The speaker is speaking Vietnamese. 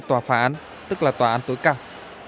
tòa phá án tức là tòa án tối cao